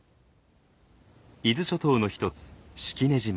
伊豆諸島の一つ式根島。